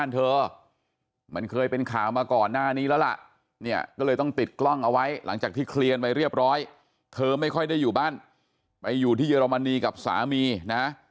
เธอไม่ค่อยได้อยู่บ้านไปอยู่ที่เยอรมนีกับสามีนะ